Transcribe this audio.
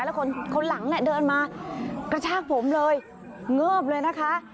แล้วคนหลังเนี่ยเดินมากระชากผมเลยเงิบเลยนะคะ